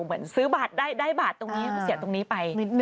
เหมือนซื้อบัตรได้บาทตรงนี้มันเสียตรงนี้ไป